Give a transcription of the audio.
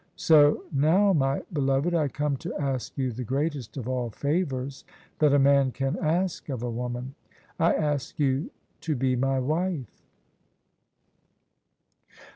So now, my beloved, I come to ask you the greatest of all favours that a man can ask of a woman — I ask you to be my wife."